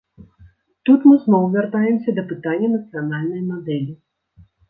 Тут мы зноў вяртаемся да пытання нацыянальнай мадэлі.